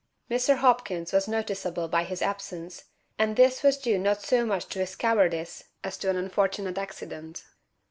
Mr. Hopkins was noticeable by his absence, and this was due not so much to his cowardice as to an unfortunate accident.